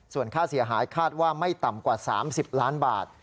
ส่วนค่าเสียหายคาดว่าไม่ต่ำกว่า๓๐ล้านบาท